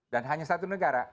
dan hanya satu negara